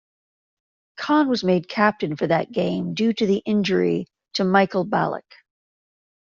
Kahn was made captain for that game due to the injury to Michael Ballack.